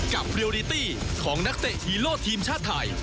เรียลลิตี้ของนักเตะฮีโร่ทีมชาติไทย